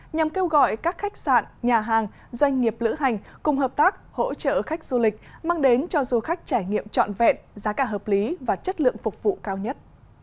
nhằm kêu gọi các khách sạn nhà hàng doanh nghiệp lữ hành cùng hợp tác hỗ trợ khách du lịch mang đến cho du khách trải nghiệm trọn vẹn giá cả hợp lý và chất lượng phục vụ cao nhất